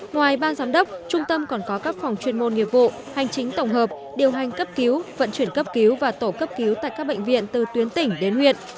ngoài ban giám đốc trung tâm còn có các phòng chuyên môn nghiệp vụ hành chính tổng hợp điều hành cấp cứu vận chuyển cấp cứu và tổ cấp cứu tại các bệnh viện từ tuyến tỉnh đến huyện